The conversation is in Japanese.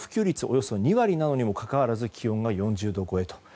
およそ２割にもかかわらず気温が４０度超えという。